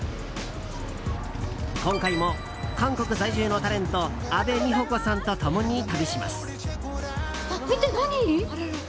今回も韓国在住のタレント阿部美穂子さんと共に旅します。